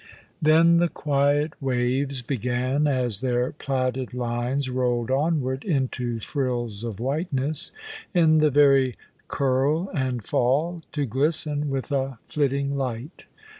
Then the quiet waves began as their plaited lines rolled onward into frills of whiteness in the very curl and fall, to glisten with a flitting light.